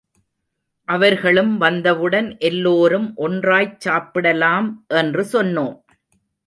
அவர்களும் வந்தவுடன் எல்லோரும் ஒன்றாய்ச் சாப்பிடலாம் என்று சொன்னோம்.